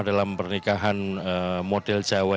dalam pernikahan model jawa